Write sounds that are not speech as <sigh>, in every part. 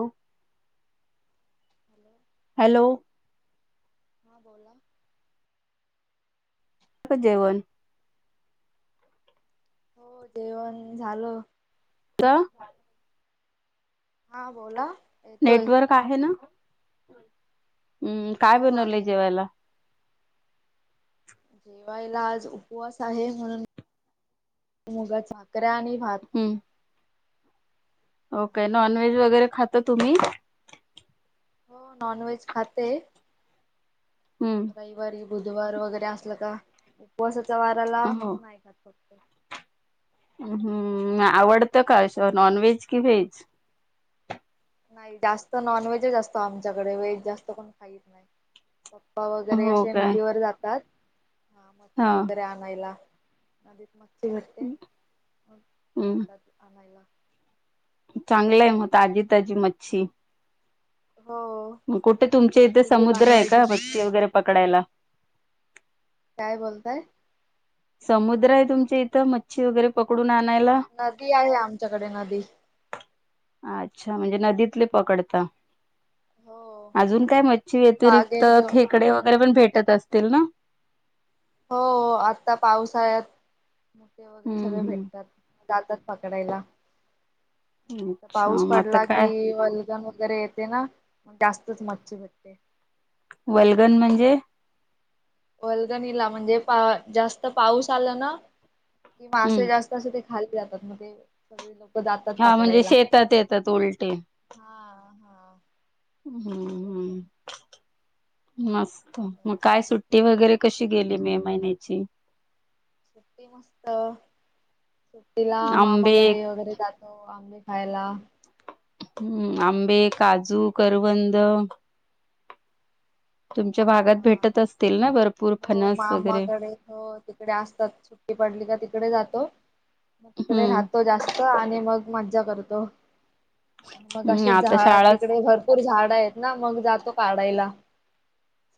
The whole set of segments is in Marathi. हो! हॅलो! हॅलो! हां बोला! का जेवण हो! जेवण झालं. हं हा बोला. येतोय नेटवर्क आहे ना? होय. हम्म काय हो बनवलंय आहे जेवायला? जेवायला आज उपवास आहे म्हणून <unintelligible> <unintelligible> आणि भात. हम्म ओके नॉनव्हेज वगैरे खाता तुम्ही? हो नॉनव्हेज खाते हम्म रविवारी बुधवार वगैरे असलं का, उपवासात जवाराला, हो नाही खात <inaudible> हम्म आवडतं काय असं नॉनव्हेज की व्हेज? नाही जास्त नॉनव्हेज जास्त आमच्याकडे, व्हेज जास्त कोण खात नाही. पप्पा वगैरे हो अशे काय नदीवर जातात हां मच्छी हा वगैरे आणायला <unintelligible> <unintelligible> मग हम्म जातात आणायला. चांगलंय मग ताजी- ताजी मच्छी. हो मग कुठे तुमच्या इथे आणि ते समुद्र आहे बनवायचं का मस्त मच्छी वगैरे पकडायला? काय बोलताय? समुद्र आहे तुमच्या इथं मच्छी वगैरे पकडून आ नदी आहे आमच्याकडे नदी. अच्छा, म्हणजे नदीतले पकडता? हो अजून काय, मच्छी व्यतिरिक्त पागेर घेऊन खेकडे वगैरे पण भेट त्यात असतील ना? हो आता पावसाळ्यात मोठे वगैरे हम्म सगळे हम्म भेटतात. जातात पकडायला. आणि आता अच्छा पाऊस मग आता पडला काय की <unintelligible> वगैरे येते ना जास्तच मच्छी भटते. वल्गन म्हणजे? वल्गनीला म्हणजे पा जास्त पाऊस आला ना की मासे हम्म जास्त असे ते खाली जातात मग ते सगळी लोक जातात हां म्हणजे पकडायला. शेतात येतात उलटे? हां. हम्म हम्म मस्त मग काय सुट्टी वगैरे? कशी गेली मे महिन्याची? सुट्टी मस्त. सुट्टीला आंबे मामाकडे वगैरे जातो आंबे खायला. हम्म आंबे, काजू, करवंद तुमच्या भागात हां भेटत असतील ना भरपूर हो फणस वगैरे मामाकडे हो तिकडे असतात सुट्टी पडली का तिकडे जातो मग तिकडे हम्म राहतो जा स्त आणि मग मज्जा करतो. मग हम्म असेच आता झाड शाळा तिकडे भरपूर झाड आहेत ना मग जातो काढायला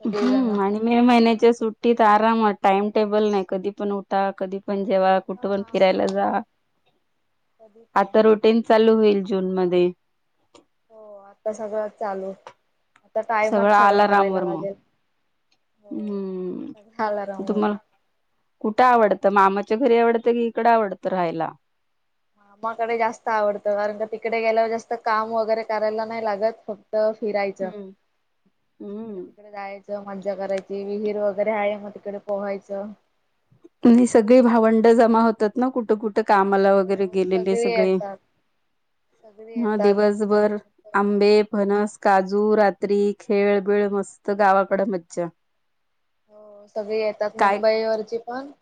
सगळीजण. हम्म आणि मे महिन्याच्या सुट्टीत आ रामात टाईम टेबल नाही कधी पण उठा कधी पण जेवा कुठं पण हा फिरायला जा. कधी पण आता रुटीन चालू होईल. जूनमध्ये. हो आता सगळं चालू. आता ताईमात सगळं अलाराम करायला वर मग लागेल हो हम्म सगळं अलार्मवर. तुम्हाला कुठं आवडतं मामाच्या घरी आवडतं की इकडं आवडत राहायला? मामाकडे जास्त आवडत कारण का तिकडे गेल्यावर जास्त काम वगैरे करायला नाही लागत फ फिरायचं हम्म हम्म. इकडे-तिकडे जायचं. मज्जा करायची, विहीर वगैरे आहे मग तिकडे पोहायचं. आणि सगळी भावंड जमा होतात ना कुठं-कुठे. कामाला वगैरे हो गेलेले सगळी सगळे, येतात सगळी ह येतात दिवसभर आंबे फणस काजू रात्री खेळबिळ मस्त गावाकडे मज्जा. हो सगळी येतात काय मुंबई वरची पण.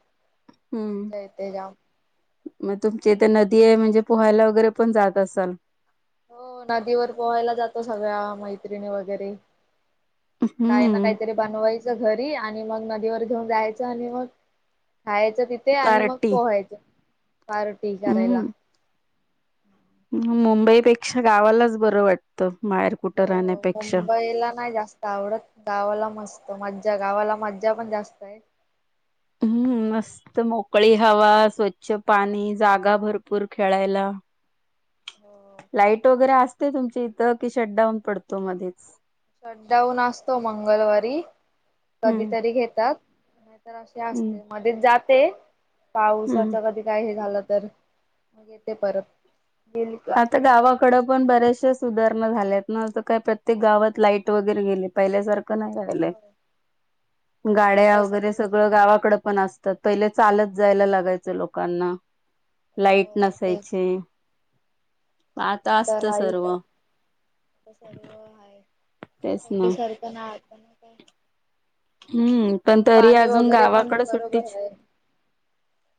हम्म मज्जा येते जाम. मग तुमची इथ नदी आहे म्हणजे, पोहायला वगैरे पण जात असाल. हो नदीवर पोहायला जातो, सगळ्या मैत्रिणी वगैरे. काय ना हम्म काहीतरी बनवायचं घरी. आणि मग नदीवर घेऊन जायचं आणि मग. खायचं तिथे आणि मग पार्टी पोहायचं. पार्टी करायला. हम्म. मुंबईपेक्षा गावालाच बरं वाटतं. बाहेर कुठं हो. हो. राहण्यापेक्षा. मुंबईला नाही जास्त आवडत, गावाला मस्त मज्या. गावाला मज्जा पण जास्त आहे. हम्म मस्त मोकळी हवा, स्वच्छ पाणी, जागा भरपूर खेळायला. लाईट. वगैरे असते तुमची इथं की शटडाऊन पडतो मध्येच. शटडाऊन असतो मंगलवारी हम्म. कधीतरी घेतात. तर अशे हम्म असते मध्ये जात ते पावसाच हम्म कधी काय हे झालं तर मग येते परत गेली का आता गावाकडं पण बऱ्याचशा सुधारणा झाल्यात ना, त काय प्रत्येक गावात लाईट वगैरे गेली पहिल्यासार क नाई हो राहिलय, हो गाड्या आता वगैरे सगळं गावाकड पण असतात. पहिले चालत जायला लागायचं लोकांना लाईट हो तेच नसायचे. आता असत लाईट सर्व. आय, आता सर्व हाय, तेच ना पहिले सारखं न्हाय आता नाय <unintelligible> हम्म पण तरी अजून पण गावाकडे बरोबर सुट्टीच, आहे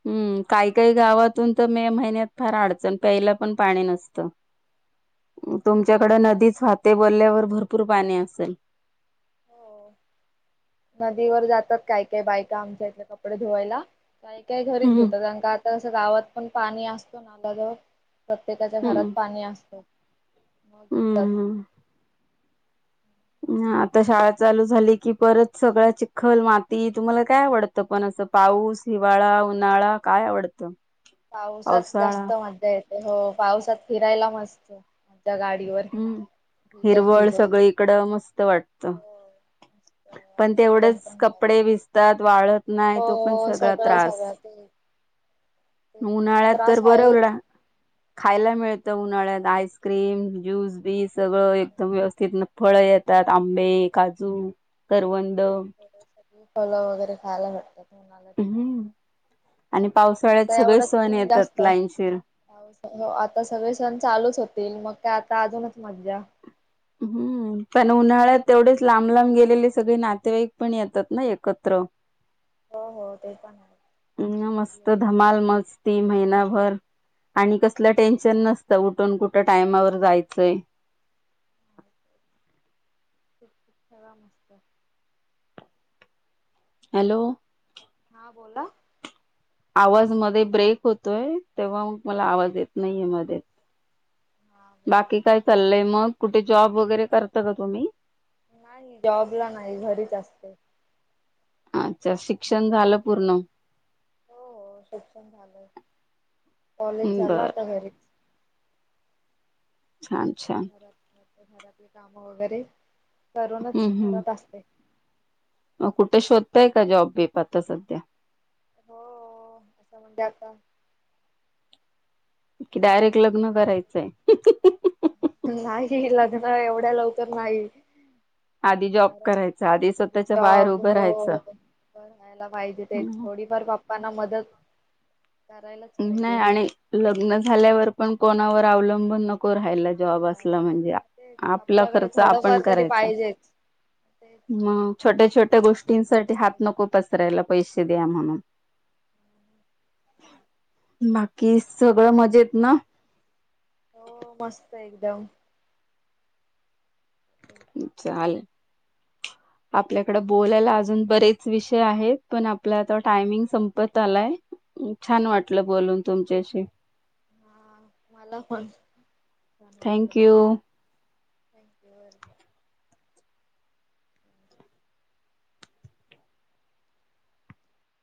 हम्म काही काही गावातून तर मे महिन्यात फार अडचण प्यायला पण पाणी नसतं, तुमच्याकडे नदीच वाहते बोलल्यावर भरपूर पाणी असेल. हो नदीवर जातात, काय काय बायका आमच्या इथल्या कपडे धुवायला. काही काय घरीच हम्म धुतात, अंका आता <unintelligible> गावात पण पाणी असत नाल्या जवळ प्रत्येकाच्या घरात हम्म पाणी असतय. मग येतात. ह आता शाळा चालू झाली की, परत सगळ्या चिखल माती तुम्हाला काय आवडतं पण असं पाऊस, हिवाळा, उन्हाळा काय आवडतं? पावसात पावसाळा जास्त मज्जा येत हो पावसात फिरायला मस्त <unintelligible> हम्म भिजत हिरवळ भिजत सगळीकड मस् त वाटत, हो मस्त पण वातावरण तेवढेच पण भारी. कपडे भिजतात. वाळत नाही तो पण हो सगळा त्रास, सगळा ते ते तो उन्हाळ्यात तर त्रास आहेच. बरवला खायला मिळ त उन्हाळ्यात आईसक्रीम ज्यूस बी सगळं एकदम व्यवस्थित न फळ येतात, आंबे, काजू, करवं द <unintelligible> फल वगैरे खायाला भेटतात. उनाल्यात हम्म आणि पावसाळ्यात फक्त सगळे एवढच सण ऊन येतात जास्त, लाईनशीर पाऊस अ आता सगळे सण चालूच होतील मग त आता आजूनच मज्जा हम्म पण उन्हाळ्यात तेवढेच लांब लांब गेलेले सगळे नातेवाईक पण येतात ना एकत्र हो हो ते पण आहे. ह सगळे मस्त येतात धमाल मस्ती. महिना भर. आणि कसल टेन्शन फिरायला नसत उठून-कुठ टायमावर जायचय. खूप खूप फिरा मस्त. हॅलो. हा बोला. आवाज मध्ये ब्रेक होतोय, तेव्हा मग मला आवाज येत नाहीय मध्ये. हा बोला बाकी आता. काय चाललय मग. कुठे जॉब वगैरे करता का तुम्ही? नाही जॉब ला नाही घरीच असते. अच्छा शिक हो हो शिक्षण झालय. कॉलेज झाला बर आता घरीच. छान-छान. घरातले काम वगैरे. करूनच हम्म हम्म. घरात असते. मग कुठे शोधताय का, जॉब-बीप आता सध्या. हो अस म्हणजे आता. कि डायरेक्ट लग्न करायचंय? नाही लग्न एवढ्या लवकर. तर नाही. आधी जॉब घरात करायचा आधी स्वतःच्या पायावर जॉब उभं हो राहायचं. बघायला पाहिजे, ते हम्म. थोडीफार पाप्पाना मदत. करायलाच नाही पाहिजे आणि लग्न झाल्यावर पण कोणावर अवलंबून नको. नको राहायला नाही जॉब असला राहायला म्हणजे, तेच आपला आपल्याकडे खर्च आपण थोडंफार तरी करायचा, पाहिजेच तेच मग छोट्या- छोट्या त्याच्यासाठी जॉब गोष्टीसाठी हात पाहिजे नको पसरायला पैशे दया म्हणून बाकी सगळं मजेत ना? हो मस्त हे एकदम चाल आपल्याकडें बोलायला आजून बरेच विषय आहेत, पण आपला तो टायमिंग संपत आलाय छान वाटलं बोलून तुमच्याशी हा मला पण छान थँक वाटलं बघ यू. थँक्यू.